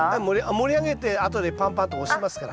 盛り上げてあとでぱんぱんと押しますから。